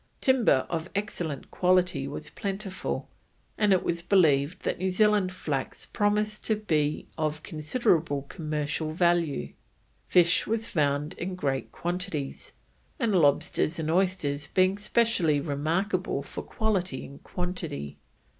Timber of excellent quality was plentiful, and it was believed that New Zealand flax promised to be of considerable commercial value. Fish was found in great quantities, the lobsters and oysters being specially remarkable for quality and quantity.